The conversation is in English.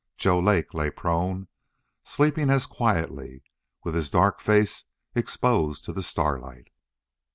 Joe Lake lay prone, sleeping as quietly, with his dark face exposed to the starlight.